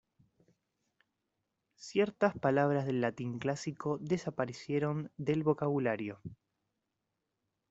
Ciertas palabras del latín clásico desaparecieron del vocabulario.